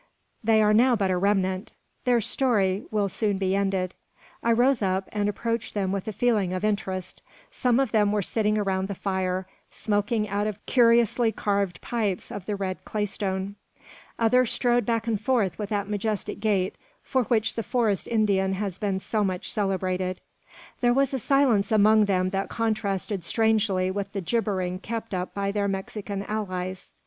They are now but a remnant. Their story will soon be ended. I rose up, and approached them with a feeling of interest. Some of them were sitting around the fire, smoking out of curiously carved pipes of the red claystone. Others strode back and forth with that majestic gait for which the forest Indian has been so much celebrated. There was a silence among them that contrasted strangely with the jabbering kept up by their Mexican allies.